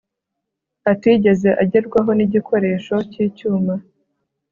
atigeze agerwaho n'igikoresho cy'icyuma